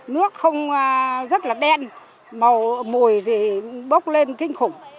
nước không rất là đen màu mùi thì bốc lên kinh khủng